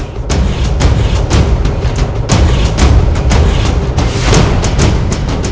iya memiliki ajian berajem musti